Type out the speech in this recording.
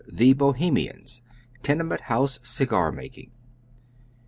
THE BOHEMIANS— TENEMENT HOUSE CIGAEMAKING.